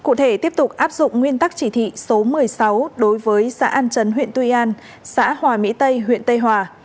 cụ thể tiếp tục áp dụng nguyên tắc chỉ thị số một mươi sáu đối với xã an chấn huyện tuy an xã hòa mỹ tây huyện tây hòa